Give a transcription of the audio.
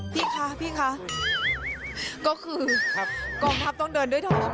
พี่คะก็คือกล่องทัพต้องเดินด้วยถอม